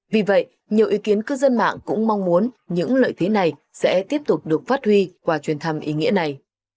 vì vậy nhiều ý kiến cư dân mạng cũng mong muốn những lợi thế này sẽ tiếp tục được phát huy qua chuyến thăm ý nghĩa này